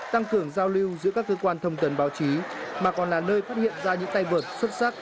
tăng cường giao lưu giữa các cơ quan thông tần báo chí mà còn là nơi phát hiện ra những tay vượt xuất sắc